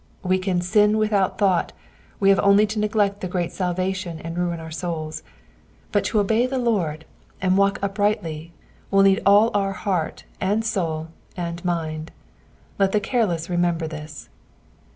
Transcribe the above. We can sin without thought, we have only to neglect the great salvation and ruin our souls ; but to obey the Lord and walk uprightly will need all our heart and soul and mind. Let the careless remember this.